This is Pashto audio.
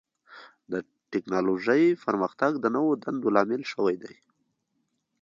د ټکنالوجۍ پرمختګ د نوو دندو لامل شوی دی.